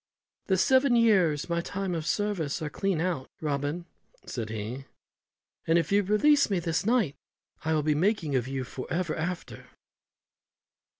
"The seven years my time of service are clean out, Robin," said he, "and if you release me this night I will be the making of you for ever after."